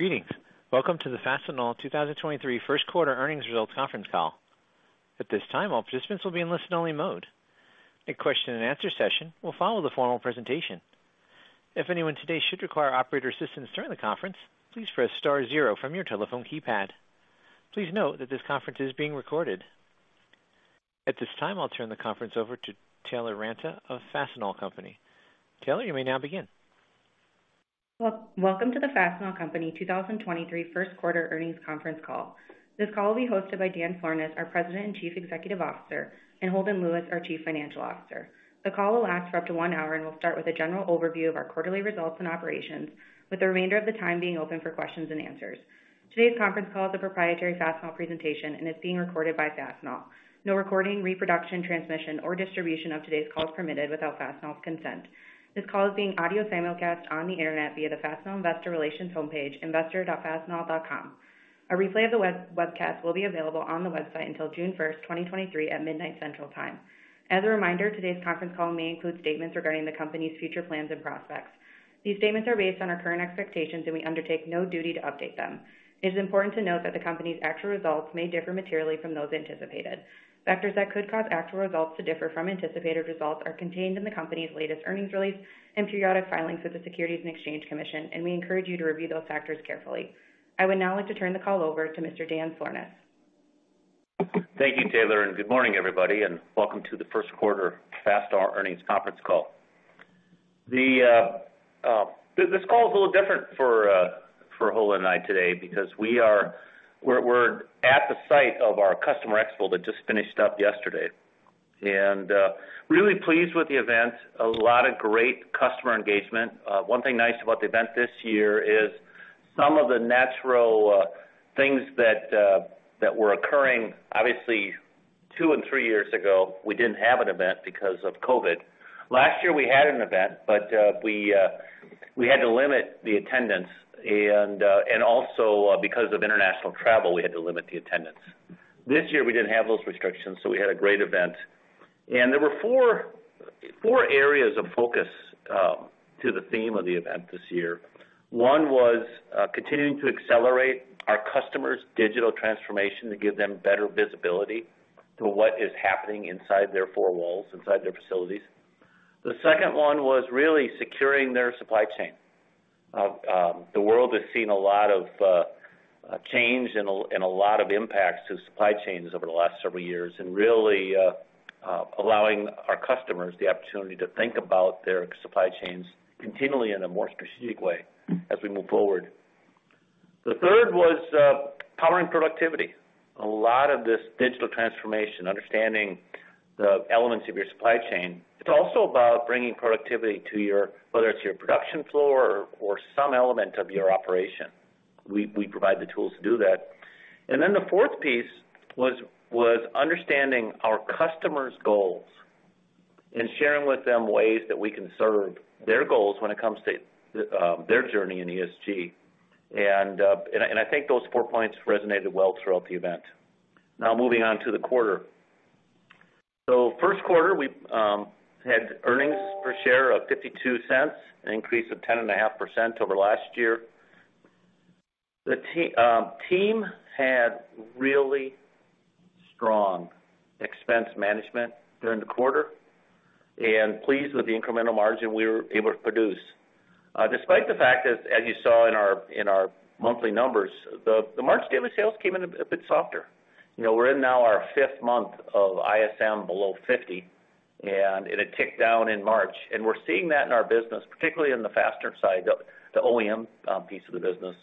Greetings. Welcome to the Fastenal 2023 First Quarter Earnings Results Conference Call. At this time, all participants will be in listen-only mode. A question-and-answer session will follow the formal presentation. If anyone today should require operator assistance during the conference, please press star zero from your telephone keypad. Please note that this conference is being recorded. At this time, I'll turn the conference over to Taylor Ranta of Fastenal Company. Taylor, you may now begin. Well, welcome to the Fastenal Company 2023 First Quarter Earnings Conference Call. This call will be hosted by Dan Florness, our President and Chief Executive Officer, and Holden Lewis, our Chief Financial Officer. The call will last for up to one hour and will start with a general overview of our quarterly results and operations, with the remainder of the time being open for questions and answers. Today's conference call is a proprietary Fastenal presentation and is being recorded by Fastenal. No recording, reproduction, transmission, or distribution of today's call is permitted without Fastenal's consent. This call is being audio simulcast on the Internet via the Fastenal investor relations homepage, investor.fastenal.com. A replay of the webcast will be available on the website until June 1st, 2023 at midnight Central Time. As a reminder, today's conference call may include statements regarding the company's future plans and prospects. These statements are based on our current expectations. We undertake no duty to update them. It is important to note that the company's actual results may differ materially from those anticipated. Factors that could cause actual results to differ from anticipated results are contained in the company's latest earnings release and periodic filings with the Securities and Exchange Commission. We encourage you to review those factors carefully. I would now like to turn the call over to Mr. Dan Florness. Thank you, Taylor, and good morning, everybody, and welcome to the First Quarter Fastenal Earnings Conference Call. This call is a little different for Holden and I today because we're at the site of our customer expo that just finished up yesterday. Really pleased with the event. A lot of great customer engagement. One thing nice about the event this year is some of the natural things that were occurring, obviously two and three years ago, we didn't have an event because of COVID. Last year we had an event, but we had to limit the attendance and also because of international travel, we had to limit the attendance. This year we didn't have those restrictions, so we had a great event. There were four areas of focus to the theme of the event this year. One was continuing to accelerate our customers' digital transformation to give them better visibility to what is happening inside their four walls, inside their facilities. The second one was really securing their supply chain. The world has seen a lot of change and a lot of impacts to supply chains over the last several years, and really allowing our customers the opportunity to think about their supply chains continually in a more strategic way as we move forward. The third was powering productivity. A lot of this digital transformation, understanding the elements of your supply chain. It's also about bringing productivity to whether it's your production floor or some element of your operation. We provide the tools to do that. The fourth piece was understanding our customers' goals and sharing with them ways that we can serve their goals when it comes to their journey in ESG. I think those four points resonated well throughout the event. Now moving on to the quarter. First quarter, we had earnings per share of $0.52, an increase of 10.5% over last year. The team had really strong expense management during the quarter and pleased with the incremental margin we were able to produce. Despite the fact that as you saw in our, in our monthly numbers, the March daily sales came in a bit softer. You know, we're in now our fifth month of ISM below 50, and it had ticked down in March. We're seeing that in our business, particularly in the Fastener side, the OEM piece of the business.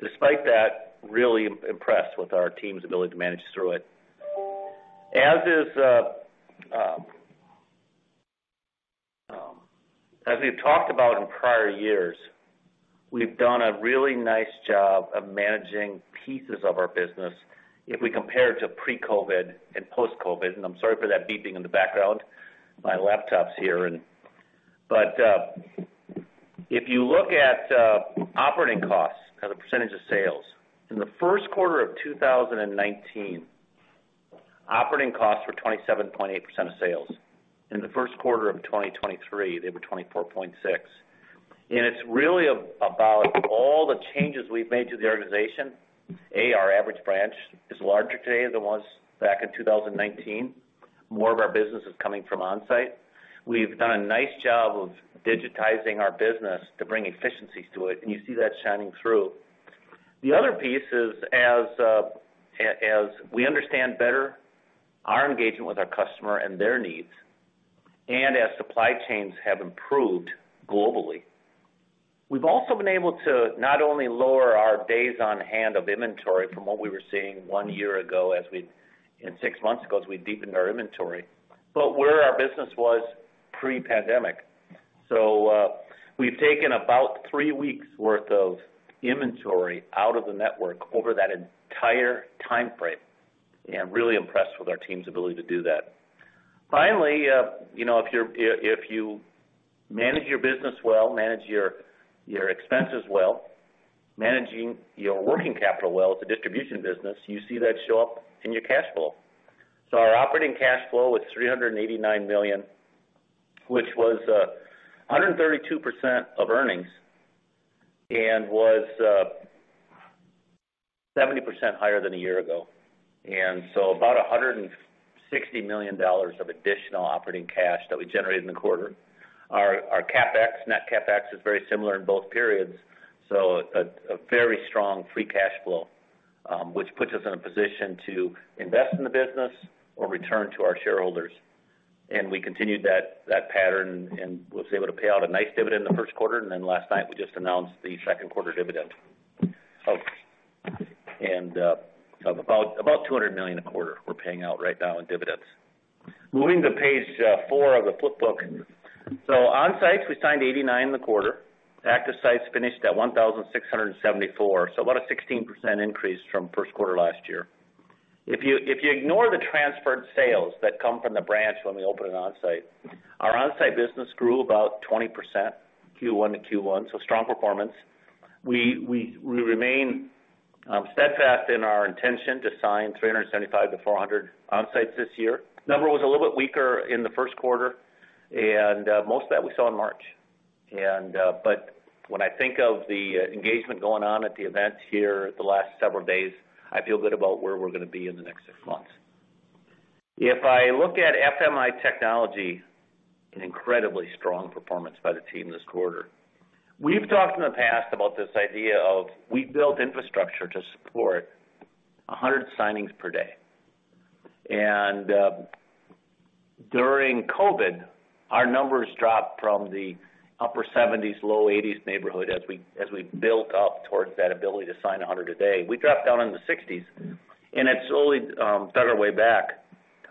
Despite that, really impressed with our team's ability to manage through it. As we've talked about in prior years, we've done a really nice job of managing pieces of our business if we compare to pre-COVID and post-COVID. I'm sorry for that beeping in the background. My laptop's here. If you look at operating costs as a percentage of sales, in the first quarter of 2019, operating costs were 27.8% of sales. In the first quarter of 2023, they were 24.6%. It's really about all the changes we've made to the organization. Our average branch is larger today than it was back in 2019. More of our business is coming from onsite. We've done a nice job of digitizing our business to bring efficiencies to it, and you see that shining through. The other piece is as we understand better our engagement with our customer and their needs, and as supply chains have improved globally, we've also been able to not only lower our days on hand of inventory from what we were seeing one year ago and six months ago, as we deepened our inventory, but where our business was pre-pandemic. We've taken about three weeks worth of inventory out of the network over that entire timeframe, and really impressed with our team's ability to do that. Finally, you know, if you manage your business well, manage your expenses well. Managing your working capital well is a distribution business. You see that show up in your cash flow. Our operating cash flow was $389 million, which was 132% of earnings and was 70% higher than a year ago. About $160 million of additional operating cash that we generated in the quarter. Our CapEx, net CapEx is very similar in both periods. A very strong free cash flow, which puts us in a position to invest in the business or return to our shareholders. We continued that pattern, and was able to pay out a nice dividend in the first quarter. Last night, we just announced the second quarter dividend of about $200 million a quarter we're paying out right now in dividends. Moving to page four of the flip book. On sites, we signed 89 in the quarter. Active sites finished at 1,674, so about a 16% increase from first quarter last year. If you ignore the transferred sales that come from the branch when we open an on-site, our on-site business grew about 20% Q1 to Q1, so strong performance. We remain steadfast in our intention to sign 375-400 on-sites this year. Number was a little bit weaker in the first quarter, and most of that we saw in March. But when I think of the engagement going on at the events here the last several days, I feel good about where we're gonna be in the next six months. If I look at FMI technology, an incredibly strong performance by the team this quarter. We've talked in the past about this idea of we built infrastructure to support a 100 signings per day. During COVID, our numbers dropped from the upper 70s, low 80s neighborhood as we built up towards that ability to sign a 100 a day. We dropped down in the 60s, and it slowly found our way back.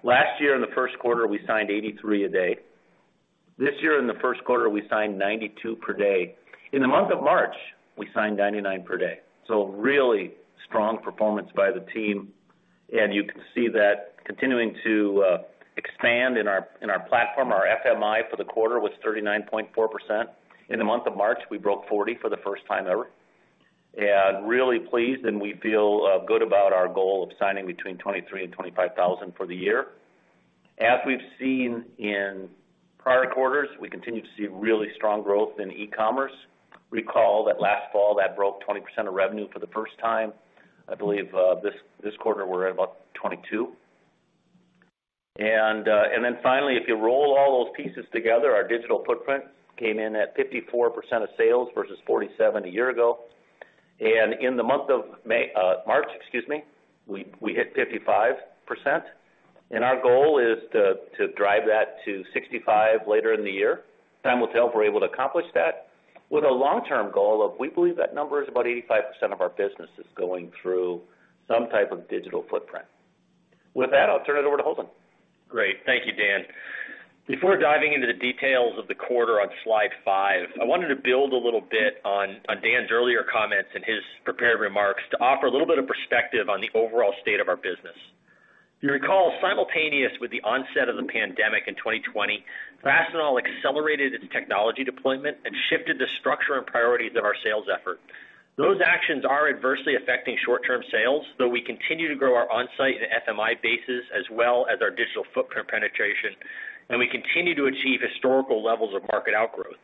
Last year in the first quarter, we signed 83 a day. This year in the first quarter, we signed 92 per day. In the month of March, we signed 99 per day. Really strong performance by the team. You can see that continuing to expand in our platform. Our FMI for the quarter was 39.4%. In the month of March, we broke 40 for the first time ever. Really pleased, and we feel good about our goal of signing between 23,000 and 25,000 for the year. As we've seen in prior quarters, we continue to see really strong growth in e-commerce. Recall that last fall, that broke 20% of revenue for the first time. I believe, this quarter, we're at about 22%. Finally, if you roll all those pieces together, our digital footprint came in at 54% of sales versus 47% a year ago. In the month of March, excuse me, we hit 55%. Our goal is to drive that to 65% later in the year. Time will tell if we're able to accomplish that. With a long-term goal of we believe that number is about 85% of our business is going through some type of digital footprint. With that, I'll turn it over to Holden. Great. Thank you, Dan. Before diving into the details of the quarter on slide five, I wanted to build a little bit on Dan's earlier comments in his prepared remarks to offer a little bit of perspective on the overall state of our business. You recall simultaneous with the onset of the pandemic in 2020, Fastenal accelerated its technology deployment and shifted the structure and priorities of our sales effort. Those actions are adversely affecting short-term sales, though we continue to grow our on-site and FMI bases as well as our digital footprint penetration. We continue to achieve historical levels of market outgrowth.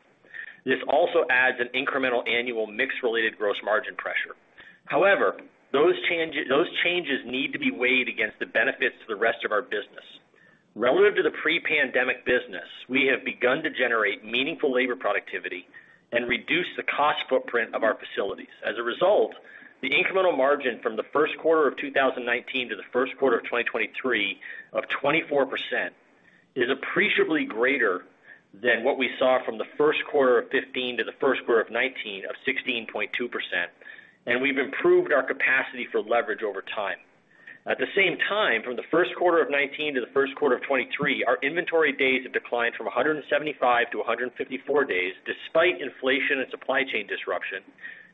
This also adds an incremental annual mix-related gross margin pressure. However, those changes need to be weighed against the benefits to the rest of our business. Relative to the pre-pandemic business, we have begun to generate meaningful labor productivity and reduce the cost footprint of our facilities. As a result, the incremental margin from the first quarter of 2019 to the first quarter of 2023 of 24% is appreciably greater than what we saw from the first quarter of 2015 to the first quarter of 2019 of 16.2%, and we've improved our capacity for leverage over time. At the same time, from the first quarter of 2019 to the first quarter of 2023, our inventory days have declined from 175 to 154 days despite inflation and supply chain disruption,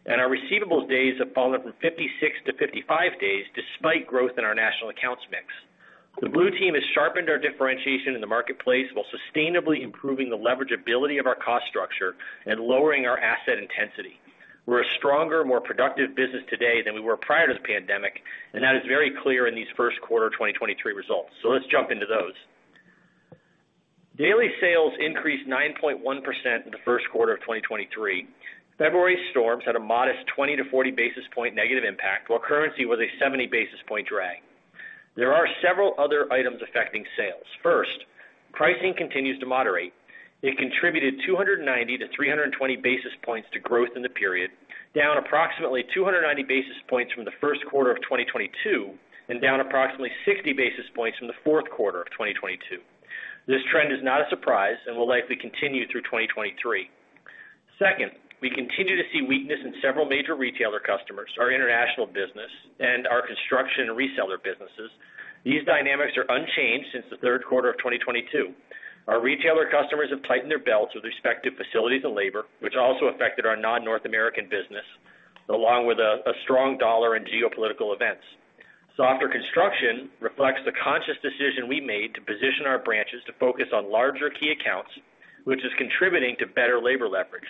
and our receivables days have fallen from 56 to 55 days despite growth in our national accounts mix. The Blue Team has sharpened our differentiation in the marketplace while sustainably improving the leverage ability of our cost structure and lowering our asset intensity. We're a stronger, more productive business today than we were prior to the pandemic, and that is very clear in these first quarter of 2023 results. Let's jump into those. Daily sales increased 9.1% in the first quarter of 2023. February storms had a modest 20 basis point-40 basis point negative impact, while currency was a 70 basis point drag. There are several other items affecting sales. First, pricing continues to moderate. It contributed 290 basis points-320 basis points to growth in the period, down approximately 290 basis points from the first quarter of 2022, and down approximately 60 basis points from the fourth quarter of 2022. This trend is not a surprise and will likely continue through 2023. Second, we continue to see weakness in several major retailer customers, our international business, and our construction and reseller businesses. These dynamics are unchanged since the third quarter of 2022. Our retailer customers have tightened their belts with respect to facilities and labor, which also affected our non-North American business, along with a strong dollar in geopolitical events. Softer construction reflects the conscious decision we made to position our branches to focus on larger key accounts, which is contributing to better labor leverage.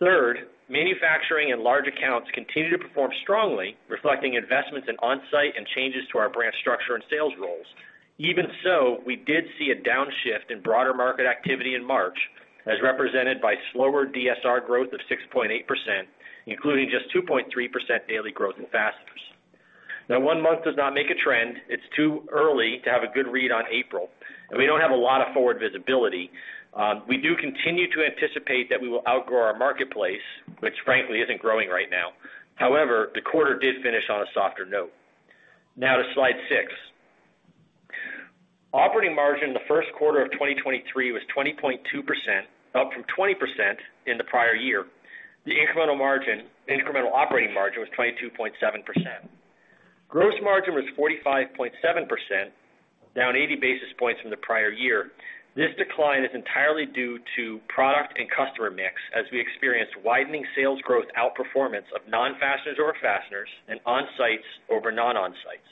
Third, manufacturing and large accounts continue to perform strongly, reflecting investments in on-site and changes to our branch structure and sales roles. Even so, we did see a downshift in broader market activity in March, as represented by slower DSR growth of 6.8%, including just 2.3% daily growth in fasteners. One month does not make a trend. It's too early to have a good read on April, we don't have a lot of forward visibility. We do continue to anticipate that we will outgrow our marketplace, which frankly isn't growing right now. The quarter did finish on a softer note. To slide six. Operating margin in the first quarter of 2023 was 20.2%, up from 20% in the prior year. The incremental margin, incremental operating margin was 22.7%. Gross margin was 45.7%, down 80 basis points from the prior year. This decline is entirely due to product and customer mix as we experienced widening sales growth outperformance of non-fasteners over fasteners and on-sites over non on-sites.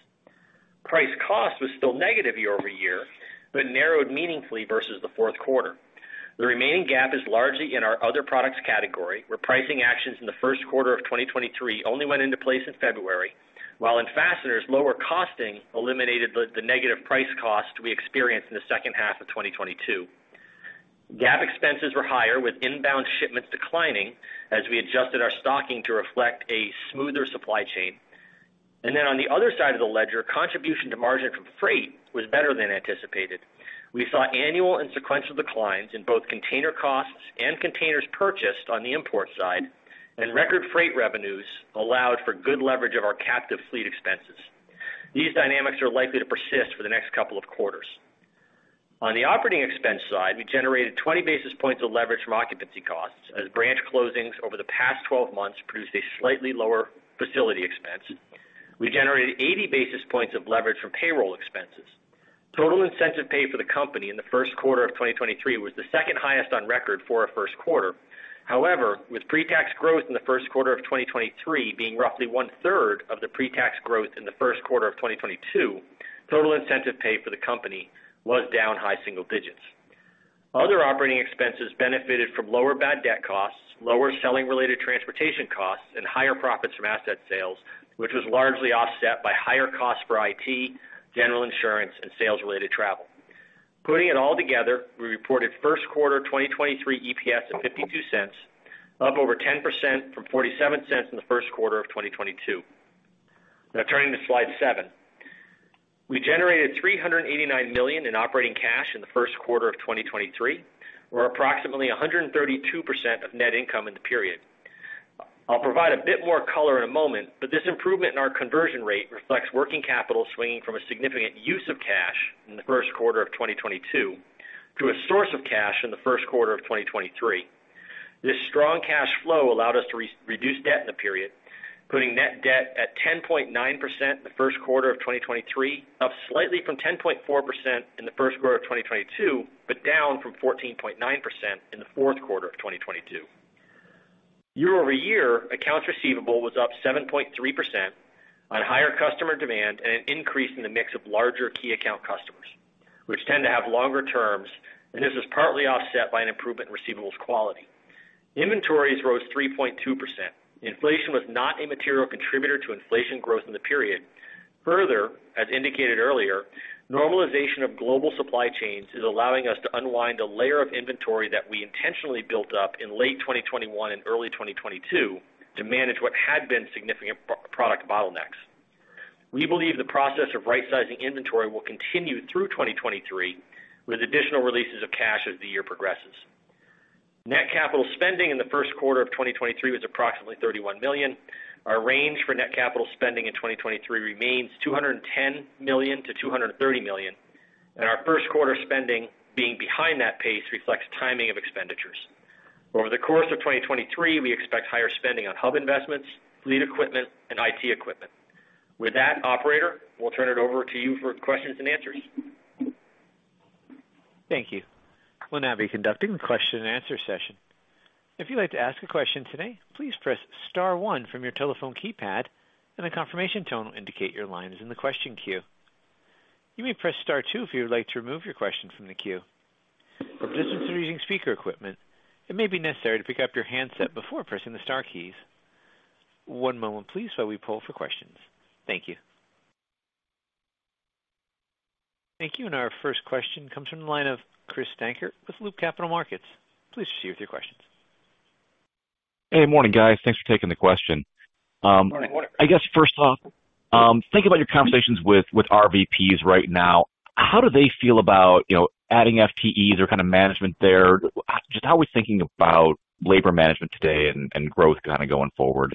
Price cost was still negative year-over-year, but narrowed meaningfully versus the fourth quarter. The remaining gap is largely in our other products category, where pricing actions in the first quarter of 2023 only went into place in February, while in fasteners, lower costing eliminated the negative price cost we experienced in the second half of 2022. GAAP expenses were higher with inbound shipments declining as we adjusted our stocking to reflect a smoother supply chain. On the other side of the ledger, contribution to margin from freight was better than anticipated. We saw annual and sequential declines in both container costs and containers purchased on the import side, and record freight revenues allowed for good leverage of our captive fleet expenses. These dynamics are likely to persist for the next couple of quarters. On the operating expense side, we generated 20 basis points of leverage from occupancy costs as branch closings over the past 12 months produced a slightly lower facility expense. We generated 80 basis points of leverage from payroll expenses. Total incentive pay for the company in the first quarter of 2023 was the second highest on record for a first quarter. However, with pre-tax growth in the first quarter of 2023 being roughly one-third of the pre-tax growth in the first quarter of 2022, total incentive pay for the company was down high single digits. Other operating expenses benefited from lower bad debt costs, lower selling-related transportation costs, and higher profits from asset sales, which was largely offset by higher costs for IT, general insurance, and sales-related travel. Putting it all together, we reported first quarter 2023 EPS of $0.52, up over 10% from $0.47 in the first quarter of 2022. Turning to slide seven. We generated $389 million in operating cash in the first quarter of 2023, or approximately 132% of net income in the period. I'll provide a bit more color in a moment, but this improvement in our conversion rate reflects working capital swinging from a significant use of cash in the first quarter of 2022 to a source of cash in the first quarter of 2023. This strong cash flow allowed us to reduce debt in the period, putting net debt at 10.9% in the first quarter of 2023, up slightly from 10.4% in the first quarter of 2022, down from 14.9% in the fourth quarter of 2022. Year-over-year, accounts receivable was up 7.3% on higher customer demand and an increase in the mix of larger key account customers, which tend to have longer terms, this is partly offset by an improvement in receivables quality. Inventories rose 3.2%. Inflation was not a material contributor to inflation growth in the period. Further, as indicated earlier, normalization of global supply chains is allowing us to unwind a layer of inventory that we intentionally built up in late 2021 and early 2022 to manage what had been significant product bottlenecks. We believe the process of rightsizing inventory will continue through 2023, with additional releases of cash as the year progresses. Net capital spending in the first quarter of 2023 was approximately $31 million. Our range for net capital spending in 2023 remains $210 million-$230 million, and our first quarter spending being behind that pace reflects timing of expenditures. Over the course of 2023, we expect higher spending on hub investments, fleet equipment, and IT equipment. With that, operator, we'll turn it over to you for questions and answers. Thank you. We'll now be conducting the question and answer session. If you'd like to ask a question today, please press star one from your telephone keypad and a confirmation tone will indicate your line is in the question queue. You may press star two if you would like to remove your question from the queue. For participants who are using speaker equipment, it may be necessary to pick up your handset before pressing the star keys. One moment please while we poll for questions. Thank you. Thank you. Our first question comes from the line of Chris Dankert with Loop Capital Markets. Please proceed with your questions. Hey, morning, guys. Thanks for taking the question. Morning. I guess first off, think about your conversations with RVPs right now. How do they feel about, you know, adding FTEs or kind of management there? Just how are we thinking about labor management today and growth kind of going forward?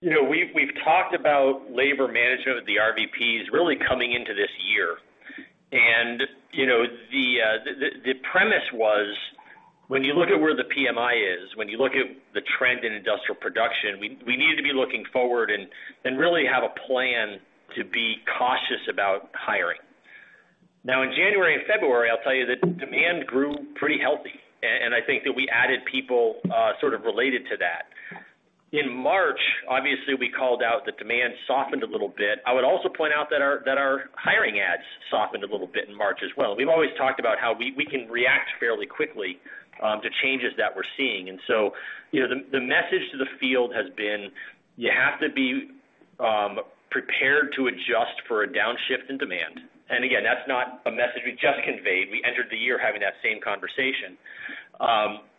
You know, we've talked about labor management with the RVPs really coming into this year. You know, the premise was when you look at where the PMI is, when you look at the trend in industrial production, we need to be looking forward and really have a plan to be cautious about hiring. Now, in January and February, I'll tell you that demand grew pretty healthy. And I think that we added people, sort of related to that. In March, obviously, we called out that demand softened a little bit. I would also point out that our hiring ads softened a little bit in March as well. We've always talked about how we can react fairly quickly, to changes that we're seeing. You know, the message to the field has been, you have to be prepared to adjust for a downshift in demand. Again, that's not a message we just conveyed. We entered the year having that same conversation.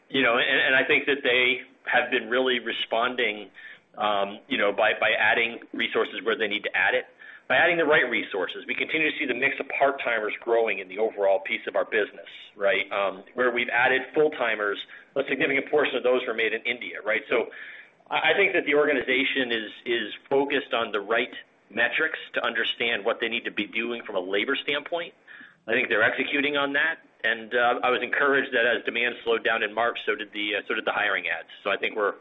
You know, I think that they have been really responding, you know, by adding resources where they need to add it. By adding the right resources. We continue to see the mix of part-timers growing in the overall piece of our business, right? Where we've added full-timers, a significant portion of those were made in India, right? I think that the organization is focused on the right metrics to understand what they need to be doing from a labor standpoint. I think they're executing on that. I was encouraged that as demand slowed down in March, so did the hiring ads. I think we're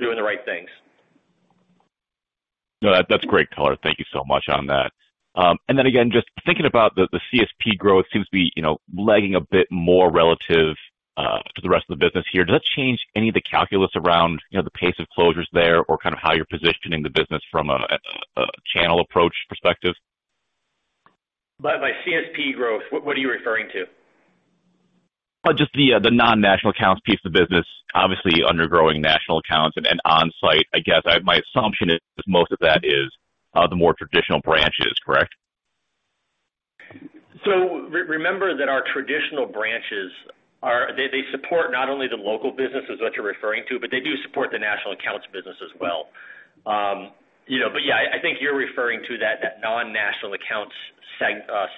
doing the right things. No, that's great color. Thank you so much on that. Then again, just thinking about the CSP growth seems to be, you know, lagging a bit more relative to the rest of the business here. Does that change any of the calculus around, you know, the pace of closures there or kind of how you're positioning the business from a channel approach perspective? By CSP growth, what are you referring to? Just the non-national accounts piece of the business, obviously undergrowing national accounts and onsite. I guess, my assumption is most of that is the more traditional branches, correct? Remember that our traditional branches are, they support not only the local businesses that you're referring to, but they do support the national accounts business as well. You know, yeah, I think you're referring to that non-national accounts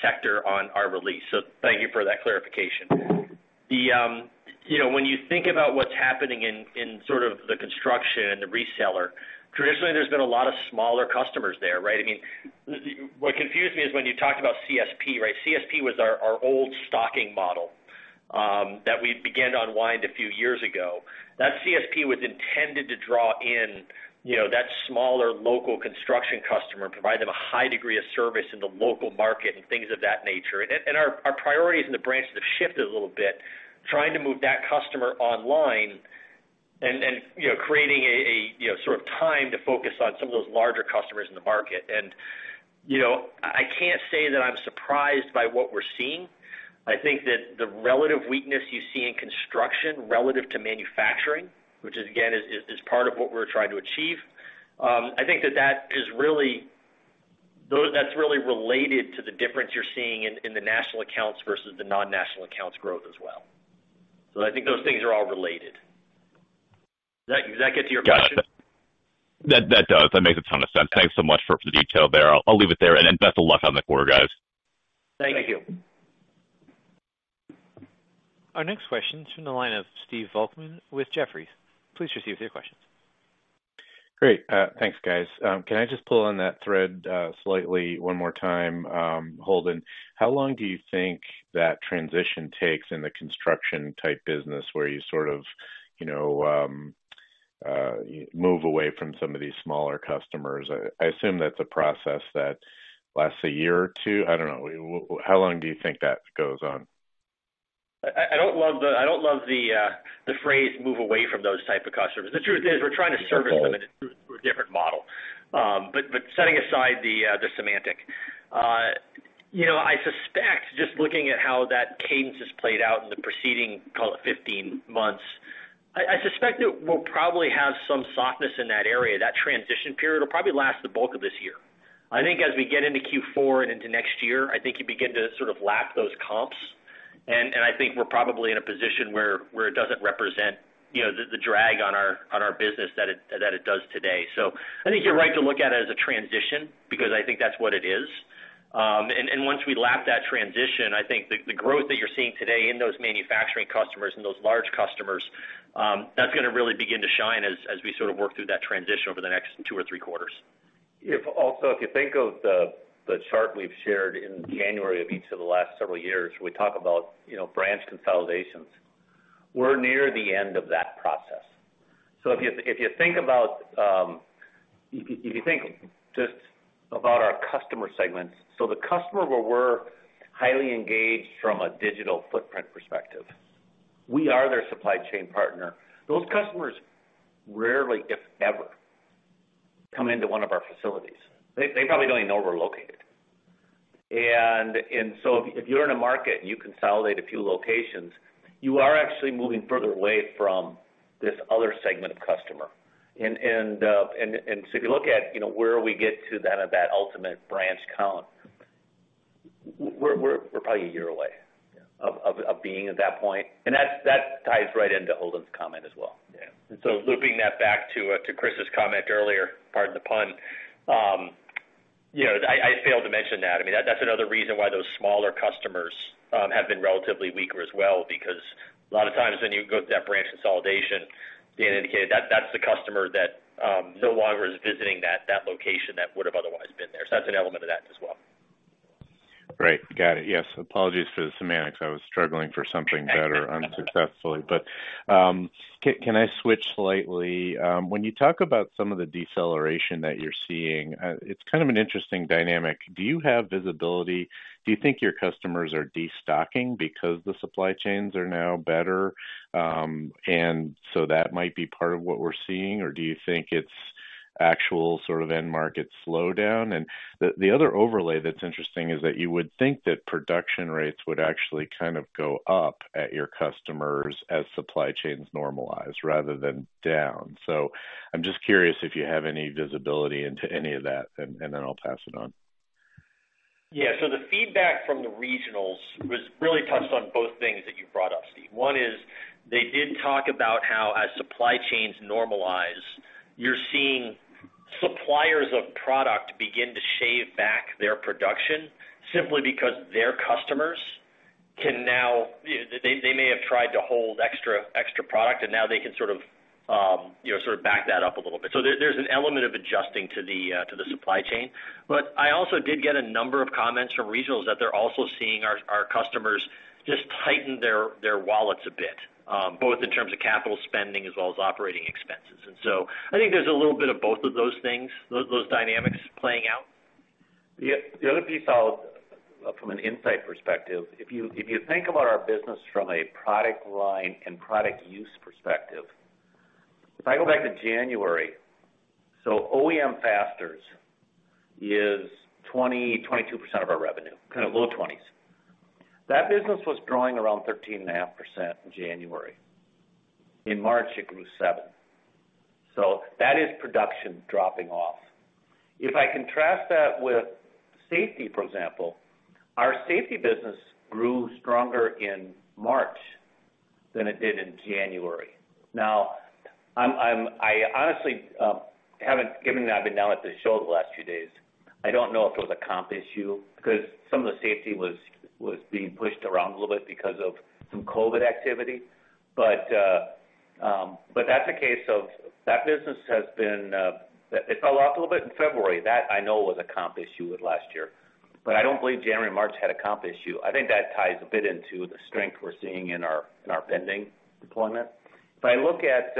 sector on our release. Thank you for that clarification. You know, when you think about what's happening in sort of the construction and the reseller, traditionally, there's been a lot of smaller customers there, right? I mean, what confused me is when you talked about CSP, right? CSP was our old stocking model that we began to unwind a few years ago. That CSP was intended to draw in, you know, that smaller local construction customer, provide them a high degree of service in the local market and things of that nature. Our priorities in the branches have shifted a little bit, trying to move that customer online and, you know, creating a, you know, sort of time to focus on some of those larger customers in the market. You know, I can't say that I'm surprised by what we're seeing. I think that the relative weakness you see in construction relative to manufacturing, which is again, is part of what we're trying to achieve. I think that that's really related to the difference you're seeing in the national accounts versus the non-national accounts growth as well. I think those things are all related. Does that get to your question? Got it. That does. That makes a ton of sense. Thanks so much for the detail there. I'll leave it there and best of luck on the quarter, guys. Thank you. Our next question is from the line of Steve Volkmann with Jefferies. Please proceed with your questions. Great. Thanks, guys. Can I just pull on that thread slightly one more time, Holden? How long do you think that transition takes in the construction type business where you sort of, you know, move away from some of these smaller customers? I assume that's a process that lasts a year or two. I don't know. How long do you think that goes on? I don't love the phrase move away from those type of customers. The truth is, we're trying to service them through a different model. Setting aside the semantic. You know, I suspect, just looking at how that cadence has played out in the preceding, call it 15 months, I suspect it will probably have some softness in that area. That transition period will probably last the bulk of this year. I think as we get into Q4 and into next year, I think you begin to sort of lap those comps. I think we're probably in a position where it doesn't represent, you know, the drag on our business that it does today. I think you're right to look at it as a transition because I think that's what it is. Once we lap that transition, I think the growth that you're seeing today in those manufacturing customers and those large customers, that's gonna really begin to shine as we sort of work through that transition over the next two or three quarters. Also, if you think of the chart we've shared in January of each of the last several years, we talk about, you know, branch consolidations. We're near the end of that process. If you think about, If you think just about our customer segments. The customer where we're highly engaged from a digital footprint perspective, we are their supply chain partner. Those customers rarely, if ever, come into one of our facilities. They, they probably don't even know we're located. If you're in a market and you consolidate a few locations, you are actually moving further away from this other segment of customer. If you look at, you know, where we get to then at that ultimate branch count, we're probably a year away of being at that point. That ties right into Holden's comment as well. Yeah. Looping that back to Chris's comment earlier, pardon the pun, you know, I failed to mention that. I mean, that's another reason why those smaller customers have been relatively weaker as well, because a lot of times when you go through that branch consolidation, Dan indicated, that's the customer that no longer is visiting that location that would have otherwise been there. That's an element of that as well. Got it. Yes, apologies for the semantics. I was struggling for something better unsuccessfully. Can I switch slightly? When you talk about some of the deceleration that you're seeing, it's kind of an interesting dynamic. Do you have visibility? Do you think your customers are destocking because the supply chains are now better? That might be part of what we're seeing? Do you think it's actual sort of end market slowdown? The other overlay that's interesting is that you would think that production rates would actually kind of go up at your customers as supply chains normalize rather than down. I'm just curious if you have any visibility into any of that, and then I'll pass it on. Yeah. The feedback from the regionals was really touched on both things that you brought up, Steve. One is they did talk about how as supply chains normalize, you're seeing suppliers of product begin to shave back their production simply because their customers can now. They may have tried to hold extra product, and now they can sort of, you know, sort of back that up a little bit. There's an element of adjusting to the supply chain. I also did get a number of comments from regionals that they're also seeing our customers just tighten their wallets a bit, both in terms of capital spending as well as operating expenses. I think there's a little bit of both of those things, those dynamics playing out. Yeah. The other piece I'll, from an insight perspective, if you, if you think about our business from a product line and product use perspective, if I go back to January, OEM fasteners is 20%-22% of our revenue, kind of low 20s. That business was growing around 13.5% in January. In March, it grew 7%. That is production dropping off. If I contrast that with safety, for example, our safety business grew stronger in March than it did in January. I honestly haven't given that I've been down at the show the last few days. I don't know if it was a comp issue because some of the safety was being pushed around a little bit because of some COVID activity. That's a case of that business has been, it fell off a little bit in February. That I know was a comp issue with last year. I don't believe January, March had a comp issue. I think that ties a bit into the strength we're seeing in our, in our pending deployment. I look at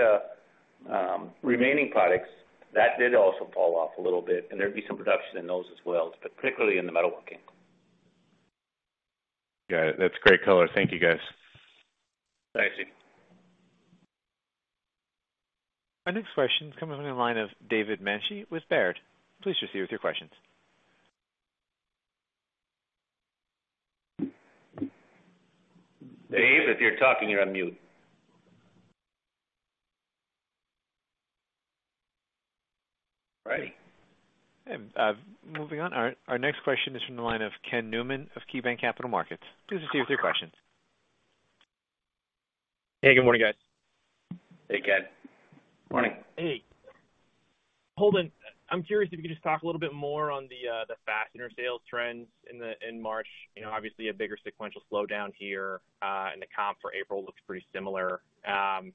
remaining products, that did also fall off a little bit, and there'd be some production in those as well, but particularly in the metalworking. Got it. That's great color. Thank you, guys. Thanks, Steve. Our next question is coming on the line of David Manthey with Baird. Please proceed with your questions. Dave, if you're talking, you're on mute. Ready? Hey, moving on. Our next question is from the line of Ken Newman of KeyBanc Capital Markets. Please proceed with your questions. Hey, good morning, guys. Hey, Ken. Morning. Hey. Holden, I'm curious if you could just talk a little bit more on the fastener sales trends in March. You know, obviously a bigger sequential slowdown here, and the comp for April looks pretty similar. I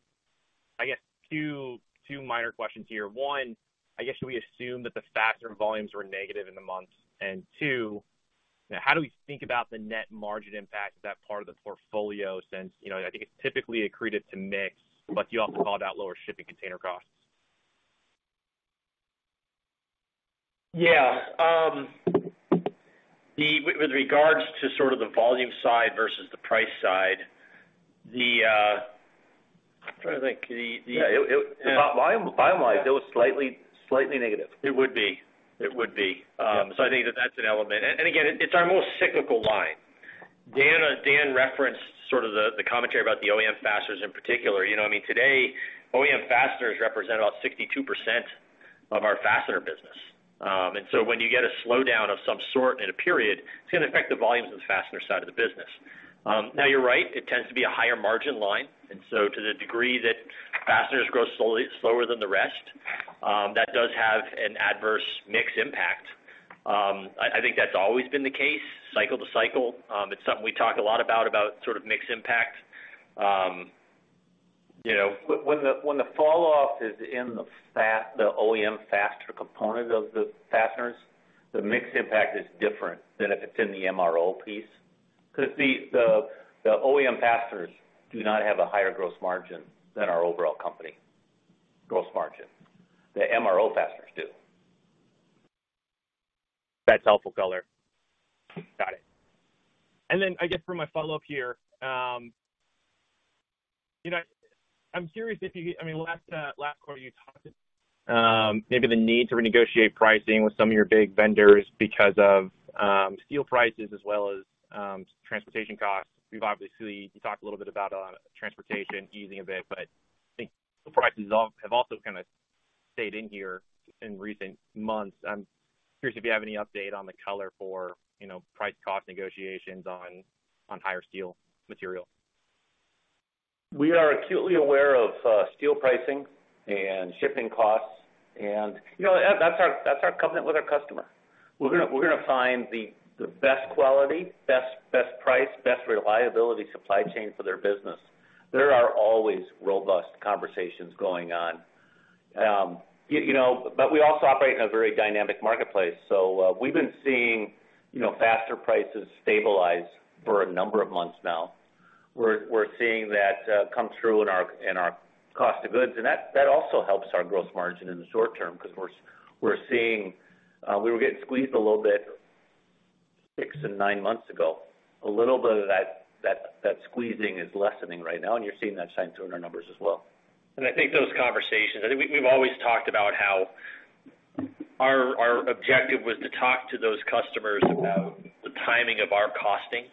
guess two minor questions here. One, I guess, should we assume that the fastener volumes were negative in the months? Two, how do we think about the net margin impact of that part of the portfolio since, you know, I think it's typically accretive to mix, but you also called out lower shipping container costs. Yeah. With regards to sort of the volume side versus the price side. I'm trying to think. Yeah. It. Bottom line, it was slightly negative. It would be. I think that that's an element. Again, it's our most cyclical line. Dan referenced sort of the commentary about the OEM fasteners in particular. You know, I mean, today, OEM fasteners represent about 62% of our fastener business. When you get a slowdown of some sort in a period, it's gonna affect the volumes of the fastener side of the business. Now you're right, it tends to be a higher margin line. To the degree that fasteners grow slowly, slower than the rest, that does have an adverse mix impact. I think that's always been the case, cycle to cycle. It's something we talk a lot about sort of mix impact. You know, when the, when the falloff is in the OEM faster component of the fasteners, the mix impact is different than if it's in the MRO piece. 'Cause the OEM fasteners do not have a higher gross margin than our overall company gross margin. The MRO fasteners do. That's helpful color. Got it. Then I guess for my follow-up here, you know, I'm curious if you last quarter, you talked maybe the need to renegotiate pricing with some of your big vendors because of steel prices as well as transportation costs. You talked a little bit about transportation easing a bit. I think the prices have also kinda stayed in here in recent months. I'm curious if you have any update on the color for, you know, price cost negotiations on higher steel material? We are acutely aware of steel pricing and shipping costs. You know, that's our, that's our covenant with our customer. We're going to find the best quality, best price, best reliability supply chain for their business. There are always robust conversations going on. You know, we also operate in a very dynamic marketplace. We've been seeing, you know, fastener prices stabilize for a number of months now. We're seeing that come through in our cost of goods, and that also helps our gross margin in the short term because we were getting squeezed a little bit six to nine months ago. A little bit of that squeezing is lessening right now, and you're seeing that shine through in our numbers as well. I think those conversations, I think we've always talked about how our objective was to talk to those customers about the timing of our costing.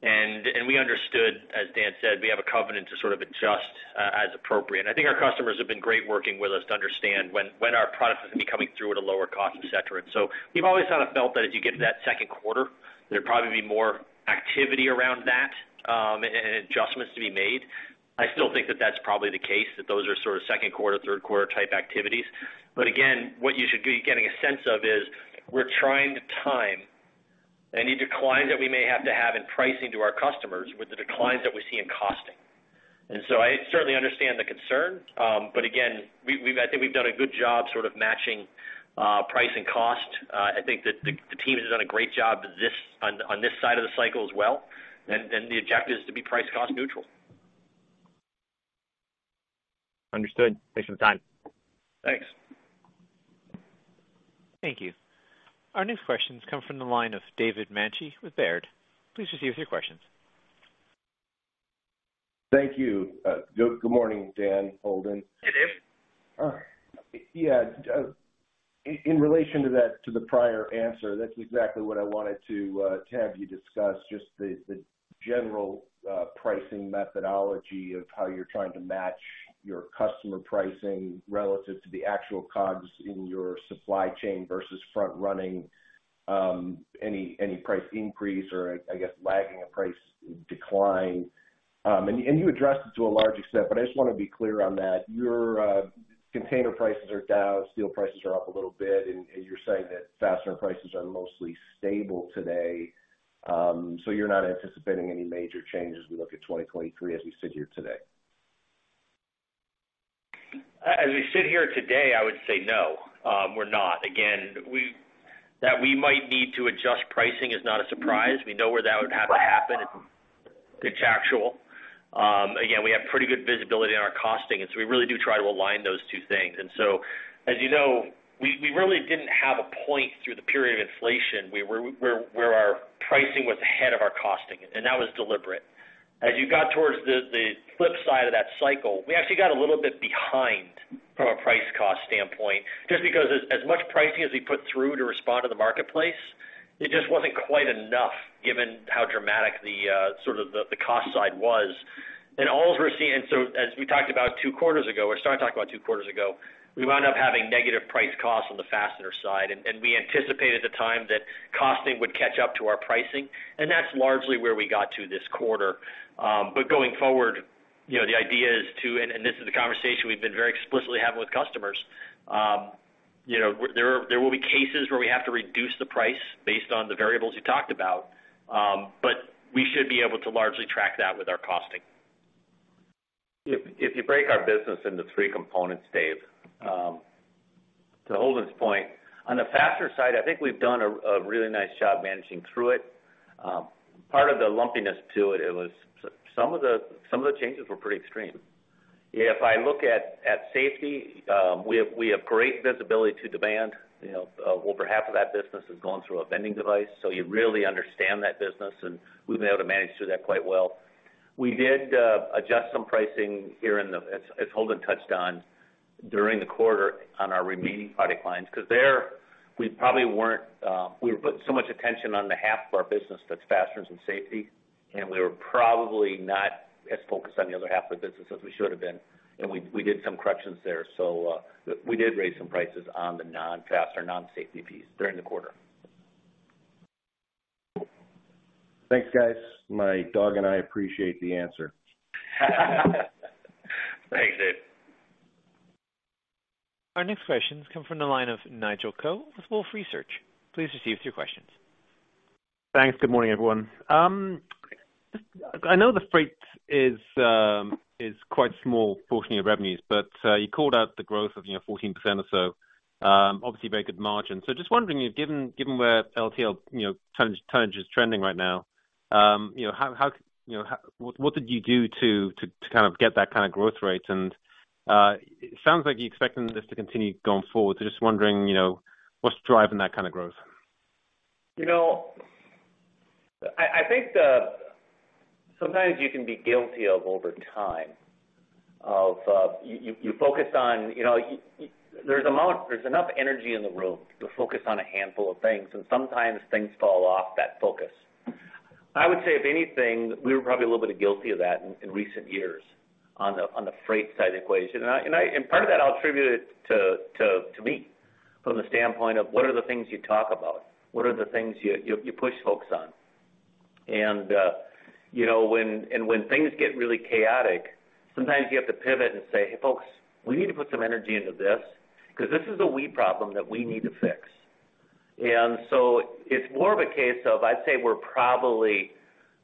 We understood, as Dan said, we have a covenant to sort of adjust as appropriate. I think our customers have been great working with us to understand when our product is gonna be coming through at a lower cost, et cetera. We've always kind of felt that as you get to that second quarter, there'd probably be more activity around that, and adjustments to be made. I still think that that's probably the case, that those are sort of second quarter, third quarter type activities. Again, what you should be getting a sense of is we're trying to time any decline that we may have to have in pricing to our customers with the declines that we see in costing. I certainly understand the concern. Again, we've done a good job sort of matching price and cost. I think that the team has done a great job this side of the cycle as well. The objective is to be price-cost neutral. Understood. Thanks for the time. Thanks. Thank you. Our next question comes from the line of David Manthey with Baird. Please proceed with your questions. Thank you. good morning, Dan, Holden. Hey, Dave. Yeah, in relation to that, to the prior answer, that's exactly what I wanted to have you discuss, just the general pricing methodology of how you're trying to match your customer pricing relative to the actual COGS in your supply chain versus front running, any price increase or, I guess, lagging a price decline. You, and you addressed it to a large extent, but I just wanna be clear on that. Your container prices are down, steel prices are up a little bit, and you're saying that fastener prices are mostly stable today. You're not anticipating any major changes as we look at 2023 as we sit here today? As we sit here today, I would say no, we're not. Again, that we might need to adjust pricing is not a surprise. We know where that would have to happen. It's contractual. Again, we have pretty good visibility on our costing, and so we really do try to align those two things. As you know, we really didn't have a point through the period of inflation where our pricing was ahead of our costing, and that was deliberate. As you got towards the flip side of that cycle, we actually got a little bit behind from a price cost standpoint, just because as much pricing as we put through to respond to the marketplace, it just wasn't quite enough given how dramatic the sort of the cost side was. As we talked about two quarters ago, or started talking about two quarters ago, we wound up having negative price costs on the fastener side, and we anticipated the time that costing would catch up to our pricing, and that's largely where we got to this quarter. But going forward, you know, the idea is to, and this is the conversation we've been very explicitly having with customers, you know, there will be cases where we have to reduce the price based on the variables you talked about. But we should be able to largely track that with our costing. If you break our business into three components, Dave, to Holden's point, on the fastener side, I think we've done a really nice job managing through it. Part of the lumpiness to it was some of the changes were pretty extreme. If I look at safety, we have great visibility to demand. You know, over half of that business is going through a vending device, so you really understand that business, and we've been able to manage through that quite well. We did adjust some pricing here in the, as Holden touched on, during the quarter on our remaining product lines, 'cause there we probably weren't, we were putting so much attention on the half of our business that's fasteners and safety, and we were probably not as focused on the other half of the business as we should have been. We did some corrections there. We did raise some prices on the non-fastener, non-safety piece during the quarter. Thanks, guys. My dog and I appreciate the answer. Thanks, Dave. Our next question comes from the line of Nigel Coe with Wolfe Research. Please proceed with your questions. Thanks. Good morning, everyone. I know the freight is quite a small portion of your revenues. You called out the growth of, you know, 14% or so. Obviously very good margin. Just wondering, given where LTL, you know, tonnage is trending right now, what did you do to kind of get that kind of growth rate? It sounds like you're expecting this to continue going forward. Just wondering, you know, what's driving that kind of growth? You know, I think, sometimes you can be guilty of, over time, of, you focus on, you know. There's enough energy in the room to focus on a handful of things, and sometimes things fall off that focus. I would say if anything, we were probably a little bit guilty of that in recent years on the freight side equation. Part of that I'll attribute it to me from the standpoint of what are the things you talk about? What are the things you push folks on? You know, when things get really chaotic, sometimes you have to pivot and say, "Hey, folks, we need to put some energy into this 'cause this is a we problem that we need to fix." It's more of a case of, I'd say we're probably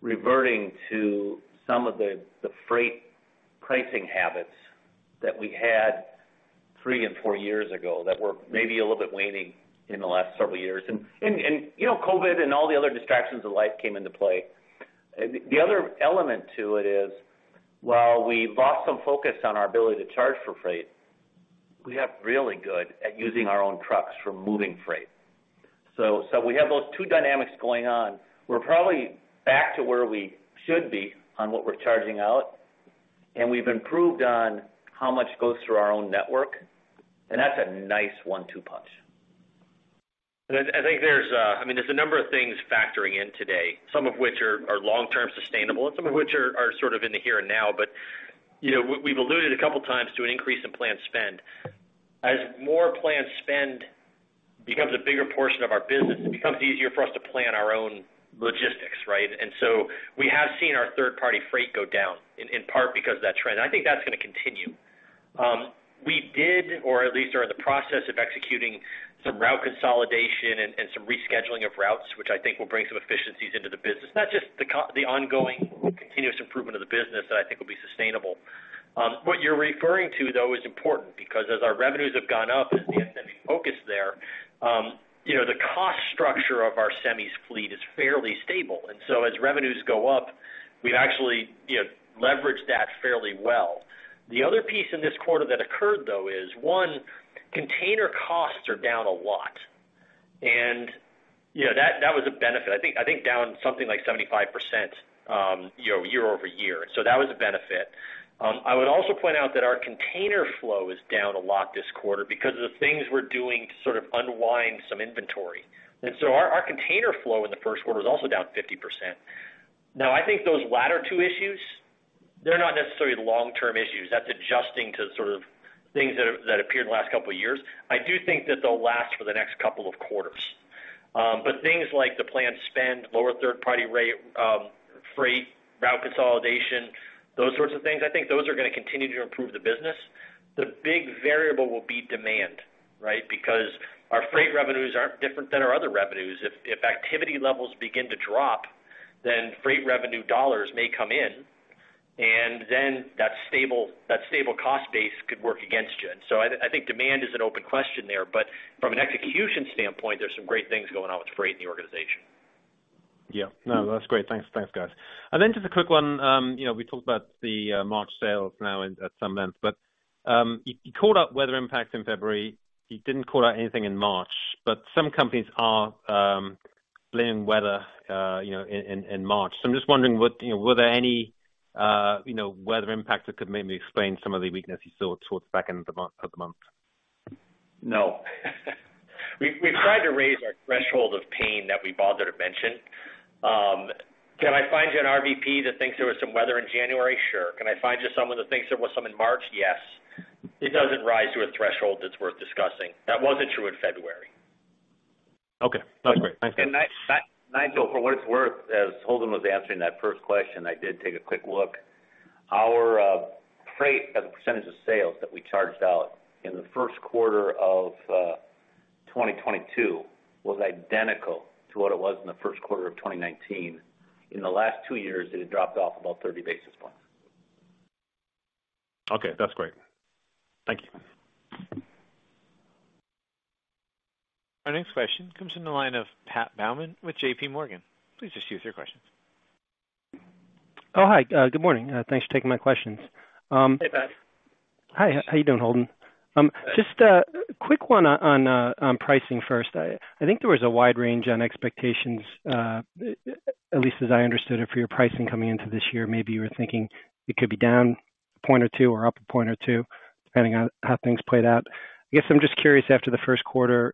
reverting to some of the freight pricing habits that we had three and four years ago that were maybe a little bit waning in the last several years. You know, COVID and all the other distractions of life came into play. The other element to it is, while we lost some focus on our ability to charge for freight, we have really good at using our own trucks for moving freight. So we have those two dynamics going on. We're probably back to where we should be on what we're charging out, and we've improved on how much goes through our own network, and that's a nice one-two punch. I think there's, I mean, there's a number of things factoring in today, some of which are long-term sustainable and some of which are sort of in the here and now. You know, we've alluded a couple times to an increase in planned spend. As more planned spend becomes a bigger portion of our business, it becomes easier for us to plan our own logistics, right? We have seen our third-party freight go down in part because of that trend. I think that's gonna continue. We did or at least are in the process of executing some route consolidation and some rescheduling of routes, which I think will bring some efficiencies into the business. Not just the ongoing continuous improvement of the business that I think will be sustainable. What you're referring to, though, is important because as our revenues have gone up as the endemic focus there, you know, the cost structure of our semis fleet is fairly stable. As revenues go up, we've actually, you know, leveraged that fairly well. The other piece in this quarter that occurred, though, is, one, container costs are down a lot. You know, that was a benefit. I think down something like 75%, you know, year-over-year. That was a benefit. I would also point out that our container flow is down a lot this quarter because of the things we're doing to sort of unwind some inventory. Our container flow in the first quarter was also down 50%. I think those latter two issues, they're not necessarily long-term issues. That's adjusting to sort of things that appeared in the last couple of years. I do think that they'll last for the next couple of quarters. Things like the planned spend, lower third-party rate, freight, route consolidation, those sorts of things, I think those are gonna continue to improve the business. The big variable will be demand, right? Because our freight revenues aren't different than our other revenues. If activity levels begin to drop, then freight revenue dollars may come in, and then that stable cost base could work against you. I think demand is an open question there. From an execution standpoint, there's some great things going on with freight in the organization. Yeah. No, that's great. Thanks, thanks, guys. Then just a quick one. You know, we talked about the March sales now at some length, but you called out weather impacts in February. You didn't call out anything in March, but some companies are blaming weather, you know, in March. I'm just wondering what, you know, were there any, you know, weather impacts that could maybe explain some of the weakness you saw towards back end of the month? No. We've tried to raise our threshold of pain that we bother to mention. Can I find you an RVP that thinks there was some weather in January? Sure. Can I find you someone that thinks there was some in March? Yes. It doesn't rise to a threshold that's worth discussing. That wasn't true in February. Okay, that's great. Thanks, guys. Nigel, for what it's worth, as Holden was answering that first question, I did take a quick look. Our freight as a percentage of sales that we charged out in the first quarter of 2022 was identical to what it was in the first quarter of 2019. In the last two years, it had dropped off about 30 basis points. Okay, that's great. Thank you. Our next question comes from the line of Pat Baumann with JPMorgan. Please just queue with your questions. Oh, hi. Good morning. Thanks for taking my questions. Hey, Pat. Hi. How you doing, Holden? Just a quick one on pricing first. I think there was a wide range on expectations, at least as I understood it, for your pricing coming into this year. Maybe you were thinking it could be down a point or two or up a point or two, depending on how things played out. I guess I'm just curious after the first quarter,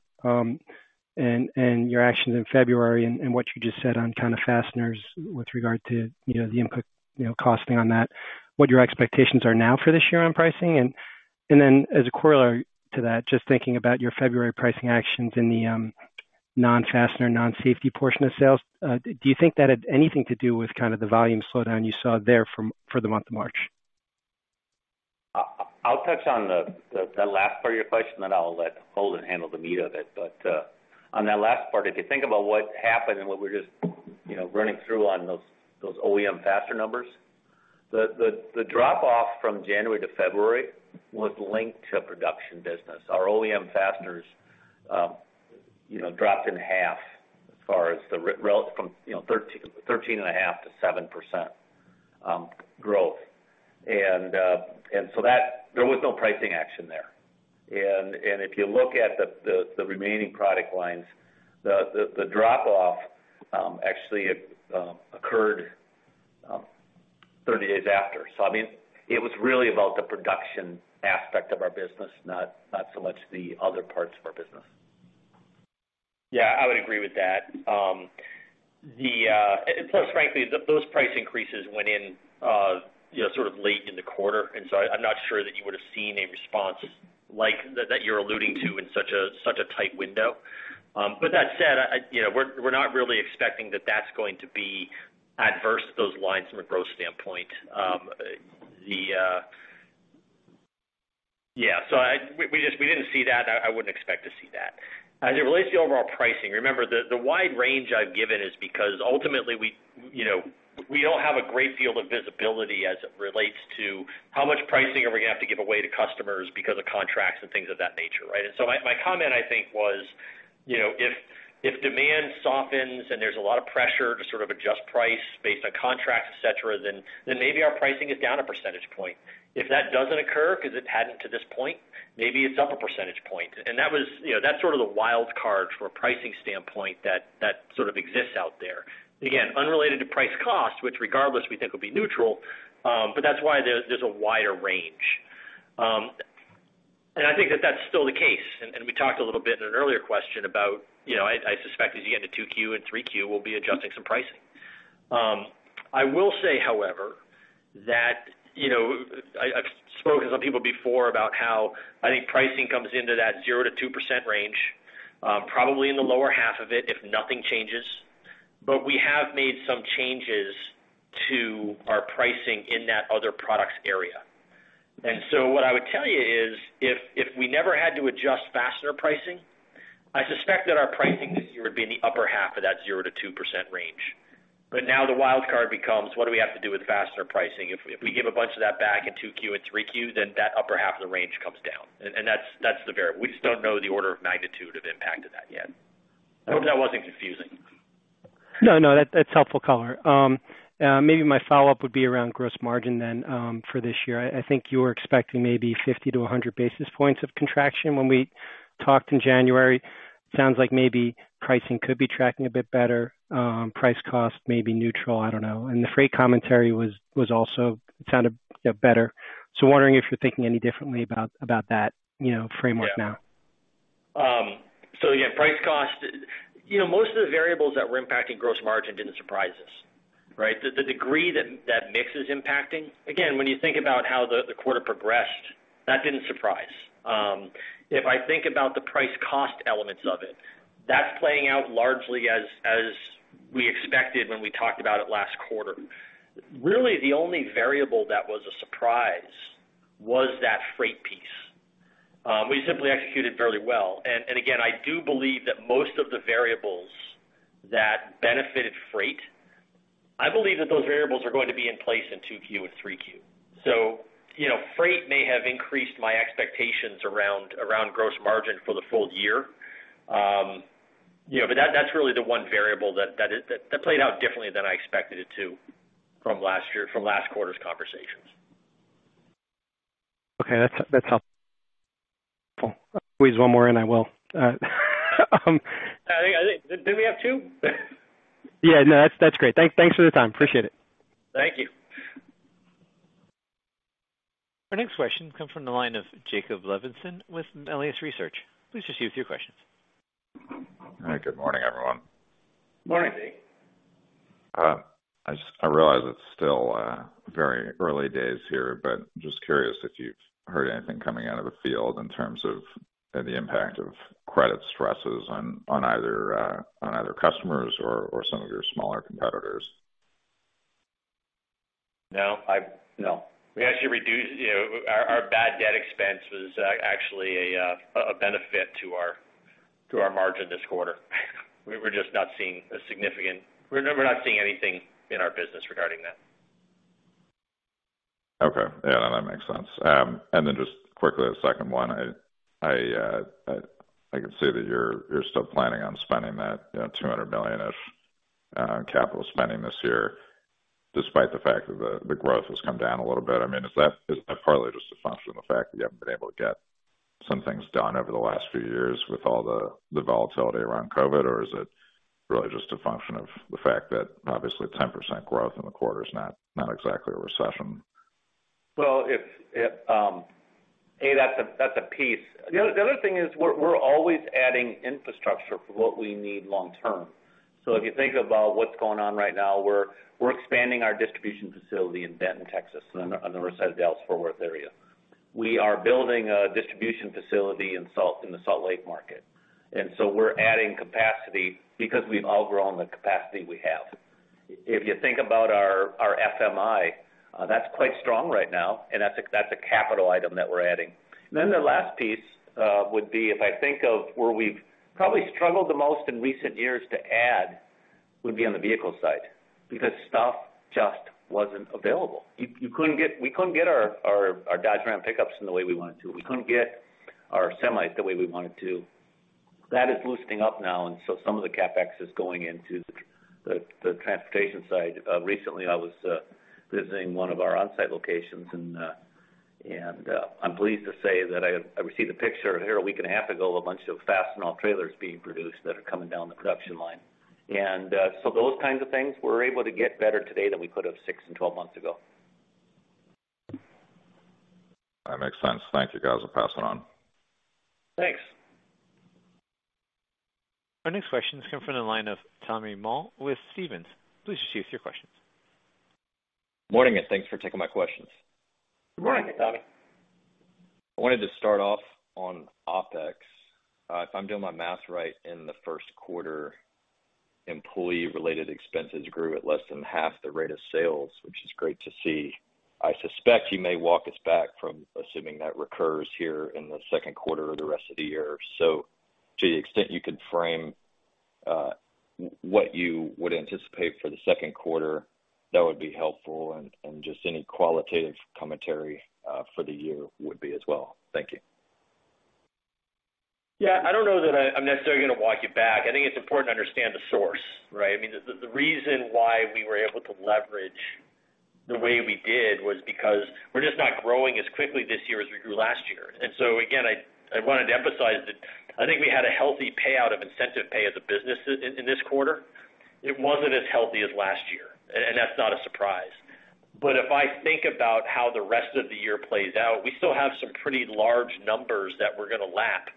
and your actions in February and what you just said on kind of fasteners with regard to, you know, the input, you know, costing on that, what your expectations are now for this year on pricing. As a corollary to that, just thinking about your February pricing actions in the non-fastener, non-safety portion of sales, do you think that had anything to do with kind of the volume slowdown you saw there for the month of March? I'll touch on the that last part of your question, then I'll let Holden handle the meat of it. On that last part, if you think about what happened and what we're just, you know, running through on those OEM fastener numbers, the drop off from January to February was linked to production business. Our OEM fasteners, you know, dropped in half as far as the from, you know, 13.5%-7% growth. There was no pricing action there. If you look at the remaining product lines, the drop off, actually, it occurred 30 days after. I mean, it was really about the production aspect of our business, not so much the other parts of our business. Yeah, I would agree with that. Frankly, those price increases went in, you know, sort of late in the quarter, and so I'm not sure that you would've seen a response like that you're alluding to in such a tight window. That said, you know, we're not really expecting that that's going to be adverse to those lines from a growth standpoint. Yeah. I, we just didn't see that. I wouldn't expect to see that. As it relates to overall pricing, remember the wide range I've given is because ultimately we, you know, we don't have a great field of visibility as it relates to how much pricing are we gonna have to give away to customers because of contracts and things of that nature, right? My comment, I think, was, you know, if demand softens and there's a lot of pressure to sort of adjust price based on contracts, et cetera, then maybe our pricing is down a percentage point. If that doesn't occur, 'cause it hadn't to this point, maybe it's up a percentage point. You know, that's sort of the wild card from a pricing standpoint that sort of exists out there. Again, unrelated to price cost, which regardless we think will be neutral, but that's why there's a wider range. And I think that that's still the case. We talked a little bit in an earlier question about, you know, I suspect as you get into 2Q and 3Q, we'll be adjusting some pricing. I will say, however, that, you know, I've spoken to some people before about how I think pricing comes into that 0%-2% range, probably in the lower half of it if nothing changes. We have made some changes to our pricing in that other products area. What I would tell you is if we never had to adjust fastener pricing, I suspect that our pricing this year would be in the upper half of that 0%-2% range. Now the wild card becomes what do we have to do with fastener pricing? If we give a bunch of that back in 2Q and 3Q, then that upper half of the range comes down. That's, that's the variable. We just don't know the order of magnitude of impact of that yet. I hope that wasn't confusing. No, no. That's, that's helpful color. Maybe my follow-up would be around gross margin then for this year. I think you were expecting maybe 50 basis points-100 basis points of contraction when we talked in January. Sounds like maybe pricing could be tracking a bit better, price cost may be neutral. I don't know. The freight commentary was also. It sounded, you know, better. Wondering if you're thinking any differently about that, you know, framework now. Yeah, price cost. You know, most of the variables that were impacting gross margin didn't surprise us, right? The degree that mix is impacting, again, when you think about how the quarter progressed, that didn't surprise. If I think about the price cost elements of it, that's playing out largely as we expected when we talked about it last quarter. Really, the only variable that was a surprise was that freight piece. We simply executed fairly well. Again, I do believe that most of the variables that benefited freight, I believe that those variables are going to be in place in 2Q and 3Q. You know, freight may have increased my expectations around gross margin for the full year. You know, that's really the one variable that played out differently than I expected it to from last quarter's conversations. Okay. That's, that's helpful. Squeeze one more in, I will. I think. Did we have two? Yeah. No, that's great. Thanks for the time. Appreciate it. Thank you. Our next question comes from the line of Jacob Levinson with Melius Research. Please just give your questions. Hi. Good morning, everyone. Morning. I realize it's still, very early days here, but just curious if you've heard anything coming out of the field in terms of the impact of credit stresses on either customers or some of your smaller competitors? No. We actually reduced. You know, our bad debt expense was actually a benefit to our margin this quarter. We're just not seeing a significant, we're not seeing anything in our business regarding that. Okay. Yeah, no, that makes sense. Then just quickly, a second one. I can see that you're still planning on spending that, you know, $200 million-ish, on capital spending this year, despite the fact that the growth has come down a little bit. I mean, is that partly just a function of the fact that you haven't been able to get some things done over the last few years with all the volatility around COVID, or is it really just a function of the fact that obviously 10% growth in the quarter is not exactly a recession? Well, it's a, that's a piece. The other thing is we're always adding infrastructure for what we need long term. If you think about what's going on right now, we're expanding our distribution facility in Denton, Texas, on the outskirts of Dallas-Fort Worth area. We are building a distribution facility in the Salt Lake market. We're adding capacity because we've outgrown the capacity we have. If you think about our FMI, that's quite strong right now, and that's a, that's a capital item that we're adding. The last piece would be, if I think of where we've probably struggled the most in recent years to add, would be on the vehicle side because stuff just wasn't available. We couldn't get our Dodge Ram pickups in the way we wanted to. We couldn't get our semis the way we wanted to. That is loosening up now. Some of the CapEx is going into the transportation side. Recently, I was visiting one of our on-site locations, and I'm pleased to say that I received a picture here a week and a half ago of a bunch of Fastenal trailers being produced that are coming down the production line. Those kinds of things we're able to get better today than we could have six and 12 months ago. That makes sense. Thank you, guys. I'll pass it on. Thanks. Our next question has come from the line of Tommy Moll with Stephens. Please proceed with your questions. Morning, thanks for taking my questions. Good morning, Tommy. I wanted to start off on OpEx. If I'm doing my math right in the first quarter, employee-related expenses grew at less than half the rate of sales, which is great to see. I suspect you may walk us back from assuming that recurs here in the second quarter or the rest of the year. To the extent you could frame what you would anticipate for the second quarter, that would be helpful. And just any qualitative commentary for the year would be as well. Thank you. Yeah. I don't know that I'm necessarily gonna walk you back. I mean, the reason why we were able to leverage the way we did was because we're just not growing as quickly this year as we grew last year. Again, I wanted to emphasize that I think we had a healthy payout of incentive pay as a business in this quarter. It wasn't as healthy as last year, and that's not a surprise. If I think about how the rest of the year plays out, we still have some pretty large numbers that we're gonna lap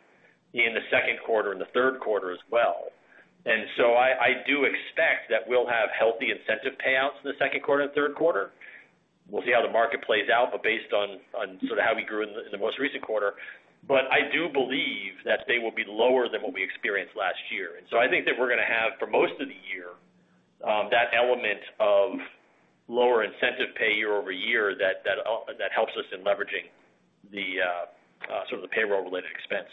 in the second quarter and the third quarter as well. I do expect that we'll have healthy incentive payouts in the second quarter and third quarter. We'll see how the market plays out, based on sort of how we grew in the most recent quarter. I do believe that they will be lower than what we experienced last year. I think that we're gonna have, for most of the year, that element of lower incentive pay year-over-year that helps us in leveraging the sort of the payroll-related expense.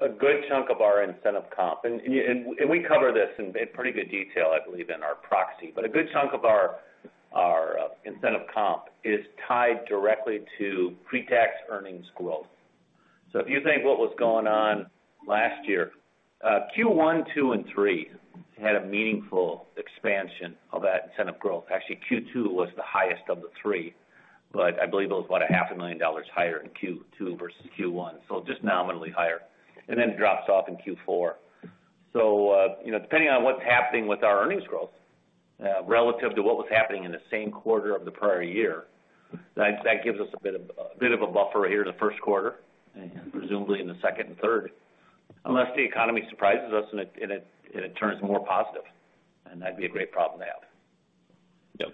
A good chunk of our incentive comp. We cover this in pretty good detail, I believe, in our proxy. A good chunk of our incentive comp is tied directly to pre-tax earnings growth. If you think what was going on last year, Q1, Q2, and Q3 had a meaningful expansion of that incentive growth. Q2 was the highest of the three, I believe it was what? A $500,000 higher in Q2 versus Q1, just nominally higher, and then drops off in Q4. You know, depending on what's happening with our earnings growth, relative to what was happening in the same quarter of the prior year, that gives us a bit of, a bit of a buffer here in the first quarter and presumably in the second and third, unless the economy surprises us and it turns more positive, and that'd be a great problem to have. Yep.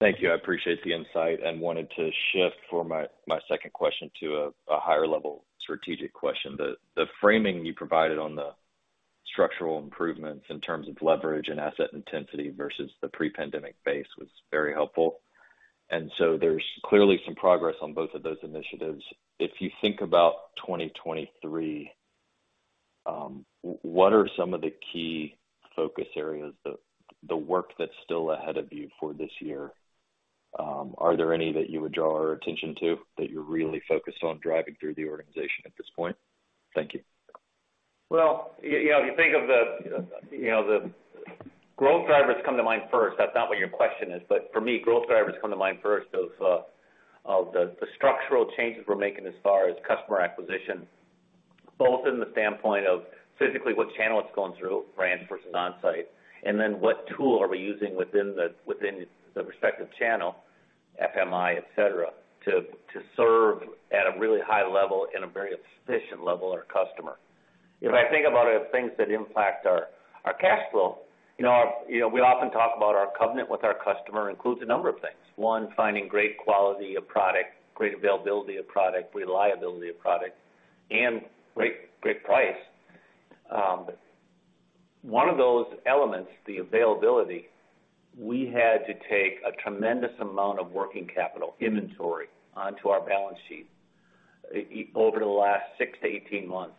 Thank you. I appreciate the insight. wanted to shift for my second question to a higher level strategic question. The framing you provided on the structural improvements in terms of leverage and asset intensity versus the pre-pandemic base was very helpful. There's clearly some progress on both of those initiatives. If you think about 2023, what are some of the key focus areas, the work that's still ahead of you for this year? Are there any that you would draw our attention to that you're really focused on driving through the organization at this point? Thank you. Well, you know, if you think of the, you know, the growth drivers come to mind first. That's not what your question is. For me, growth drivers come to mind first of the structural changes we're making as far as customer acquisition, both in the standpoint of physically what channel it's going through, brand versus onsite, and then what tool are we using within the respective channel, FMI, et cetera, to serve at a really high level and a very efficient level to our customer. If I think about things that impact our cash flow, you know, we often talk about our covenant with our customer includes a number of things. One, finding great quality of product, great availability of product, reliability of product, and great price. One of those elements, the availability, we had to take a tremendous amount of working capital inventory onto our balance sheet over the last six to 18 months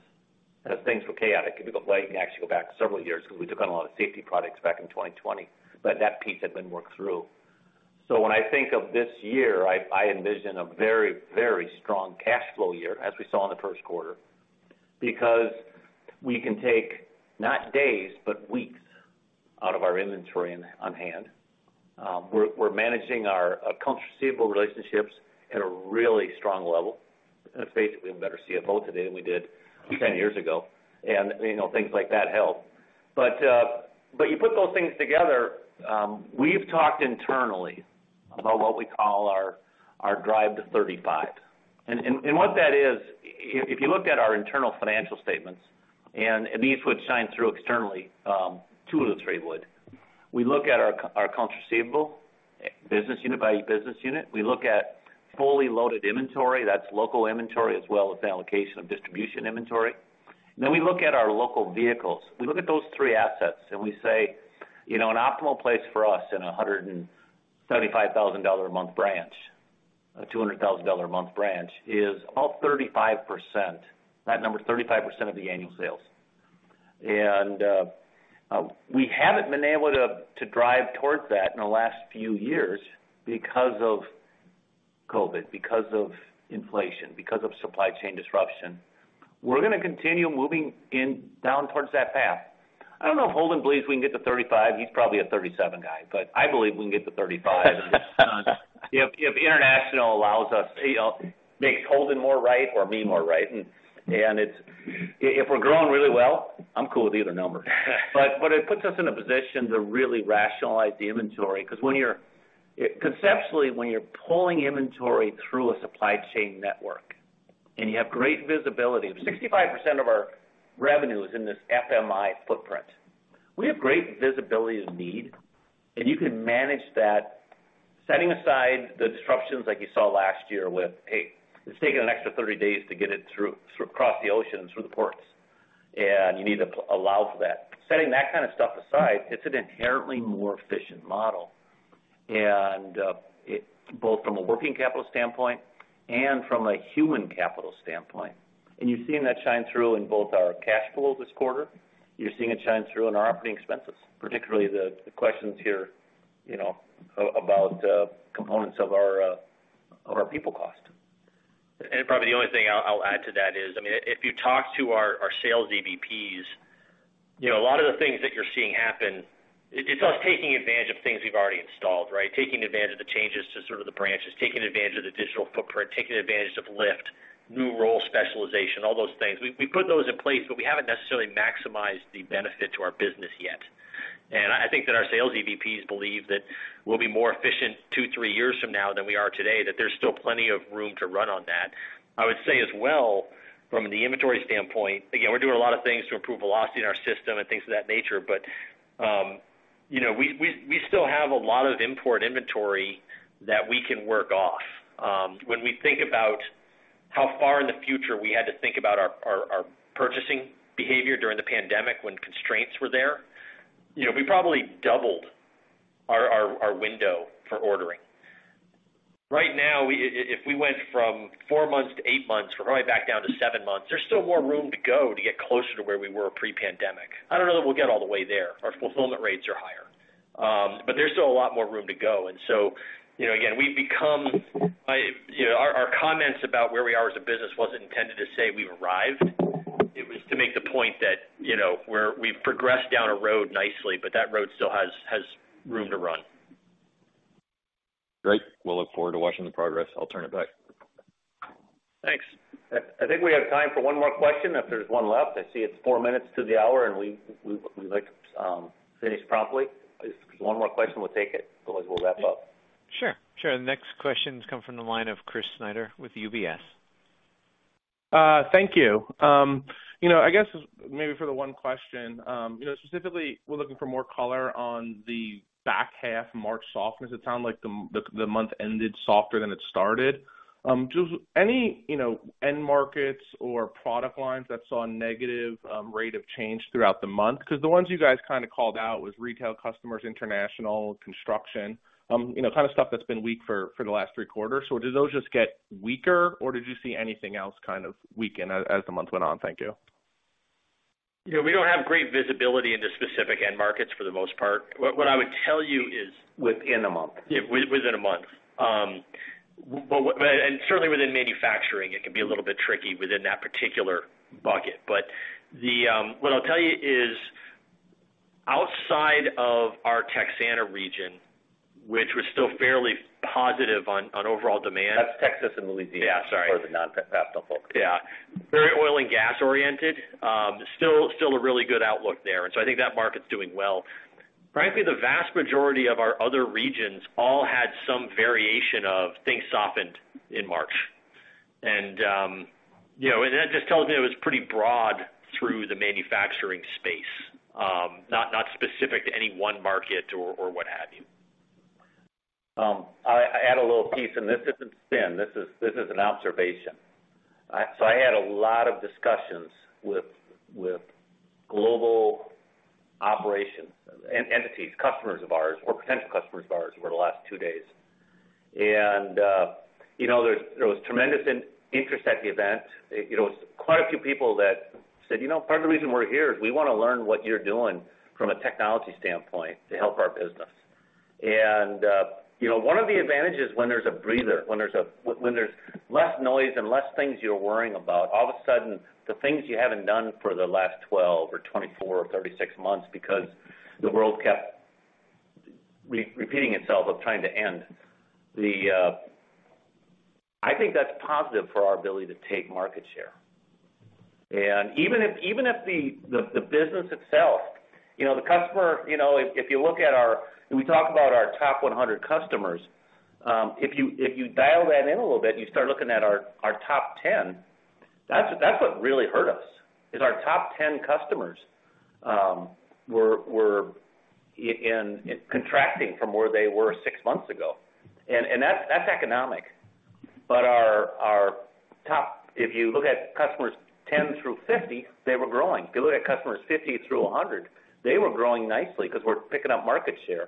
as things were chaotic. Well, you can actually go back several years because we took on a lot of safety products back in 2020, but that piece had been worked through. When I think of this year, I envision a very, very strong cash flow year, as we saw in the first quarter, because we can take not days, but weeks out of our inventory and on hand. We're managing our accounts receivable relationships at a really strong level. Basically, we have a better CFO today than we did 10 years ago. You know, things like that help. You put those things together. We've talked internally about what we call our Drive to 35. What that is, if you looked at our internal financial statements, and these would shine through externally, two of the three would. We look at our accounts receivable business unit by business unit. We look at fully loaded inventory, that's local inventory as well as allocation of distribution inventory. We look at our local vehicles. We look at those three assets and we say, you know, an optimal place for us in a $175,000 a month branch, a $200,000 a month branch is about 35%. That number is 35% of the annual sales. We haven't been able to drive towards that in the last few years because of COVID, because of inflation, because of supply chain disruption. We're gonna continue moving in, down towards that path. I don't know if Holden believes we can get to 35%. He's probably a 37% guy, but I believe we can get to 35%. If international allows us, you know, makes Holden more right or me more right, and if we're growing really well, I'm cool with either number. It puts us in a position to really rationalize the inventory, 'cause conceptually, when you're pulling inventory through a supply chain network and you have great visibility, 65% of our revenue is in this FMI footprint. We have great visibility of need. You can manage that. Setting aside the disruptions like you saw last year with, "Hey, it's taking an extra 30 days to get it through across the ocean through the ports, and you need to allow for that." Setting that kind of stuff aside, it's an inherently more efficient model. It both from a working capital standpoint and from a human capital standpoint. You've seen that shine through in both our cash flow this quarter. You're seeing it shine through in our operating expenses, particularly the questions here, you know, about components of our of our people cost. Probably the only thing I'll add to that is, I mean, if you talk to our sales EVPs, you know, a lot of the things that you're seeing happen, it's us taking advantage of things we've already installed, right? Taking advantage of the changes to sort of the branches, taking advantage of the digital footprint, taking advantage of LIFT, new role specialization, all those things. We put those in place, but we haven't necessarily maximized the benefit to our business yet. I think that our sales EVPs believe that we'll be more efficient two, three years from now than we are today, that there's still plenty of room to run on that. I would say as well from the inventory standpoint, again, we're doing a lot of things to improve velocity in our system and things of that nature. You know, we, we still have a lot of import inventory that we can work off. When we think about how far in the future we had to think about our, our purchasing behavior during the pandemic when constraints were there, you know, we probably doubled our, our window for ordering. Right now, if we went from four months to eight months, we're probably back down to seven months. There's still more room to go to get closer to where we were pre-pandemic. I don't know that we'll get all the way there. Our fulfillment rates are higher. But there's still a lot more room to go. You know, again, we've become, you know, our comments about where we are as a business wasn't intended to say we've arrived. It was to make the point that, you know, we've progressed down a road nicely, but that road still has room to run. Great. We'll look forward to watching the progress. I'll turn it back. Thanks. I think we have time for one more question if there's one left. I see it's 4 minutes to the hour. We'd like to finish promptly. If there's one more question, we'll take it, otherwise we'll wrap up. Sure. Sure. The next question's come from the line of Chris Snyder with UBS. Thank you. You know, I guess maybe for the one question. You know, specifically, we're looking for more color on the back half March softness. It sounded like the month ended softer than it started. Just any, you know, end markets or product lines that saw a negative rate of change throughout the month? 'Cause the ones you guys kinda called out was retail customers, international, construction, you know, kind of stuff that's been weak for the last three quarters. Did those just get weaker, or did you see anything else kind of weaken as the month went on? Thank you. You know, we don't have great visibility into specific end markets for the most part. What I would tell you is. Within the month. Yeah, within a month. Certainly within manufacturing, it can be a little bit tricky within that particular bucket. The what I'll tell you is outside of our Texoma region, which was still fairly positive on overall demand. That's Texas and Louisiana. Yeah, sorry. For the non-Fastenal folks. Yeah. Very oil and gas oriented. Still a really good outlook there. I think that market's doing well. Frankly, the vast majority of our other regions all had some variation of things softened in March. You know, that just tells me it was pretty broad through the manufacturing space, not specific to any one market or what have you. I add a little piece, and this isn't spin. This is, this is an observation. So I had a lot of discussions with global operations entities, customers of ours or potential customers of ours over the last two days. And, you know, there was tremendous interest at the event. You know, quite a few people that said, "You know, part of the reason we're here is we want to learn what you're doing from a technology standpoint to help our business." And, you know, one of the advantages when there's a breather, when there's a when there's less noise and less things you're worrying about, all of a sudden, the things you haven't done for the last 12 or 24 or 36 months because the world kept repeating itself of trying to end. I think that's positive for our ability to take market share. Even if, even if the business itself, you know, the customer, you know, if we talk about our top 100 customers, if you, if you dial that in a little bit and you start looking at our top 10, that's what really hurt us, is our top 10 customers, were contracting from where they were six months ago. That's economic. Our top, if you look at customers 10 through 50, they were growing. If you look at customers 50 through 100, they were growing nicely 'cause we're picking up market share.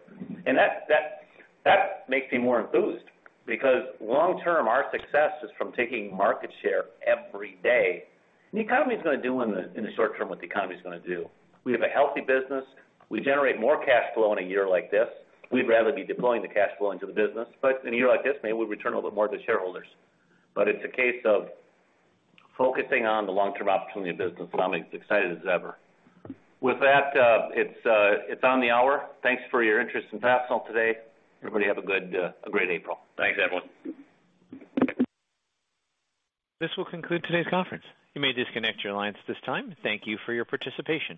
That makes me more enthused because long term, our success is from taking market share every day. The economy's gonna do in the, in the short term what the economy's gonna do. We have a healthy business. We generate more cash flow in a year like this. We'd rather be deploying the cash flow into the business. In a year like this, maybe we return a little more to shareholders. It's a case of focusing on the long-term opportunity of business, and I'm excited as ever. With that, it's on the hour. Thanks for your interest in Fastenal today. Everybody have a good, a great April. Thanks, everyone. This will conclude today's conference. You may disconnect your lines at this time. Thank you for your participation.